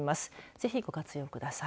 ぜひご活用ください。